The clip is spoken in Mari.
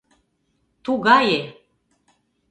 — Тугае.